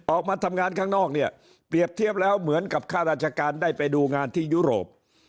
ออกมาทำงานข้างนอกเนี่ยเปรียบเทียบแล้วเหมือนกับข้าราชการได้ไปดูงานที่ยุโรป